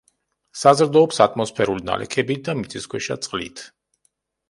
საზრდოობს ატმოსფერული ნალექებით და მიწისქვეშა წყლით.